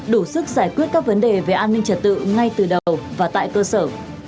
đủ sức giải quyết các vấn đề về an ninh trật tự ngay từ đầu và tại cơ sở